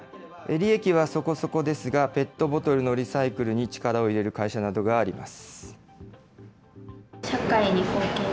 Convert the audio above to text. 利益はそこそこですが、ペットボトルのリサイクルに力を入れる会社などがあります。